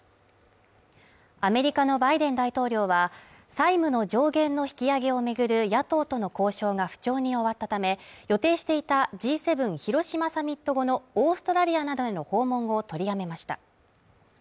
アメリカのバイデン大統領は債務の上限の引き上げを巡る野党との交渉が不調に終わったため、予定していたＧ７広島サミット後のオーストラリアなどへの訪問を取りやめました。